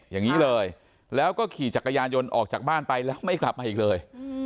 อย่างนี้เลยแล้วก็ขี่จักรยานยนต์ออกจากบ้านไปแล้วไม่กลับมาอีกเลย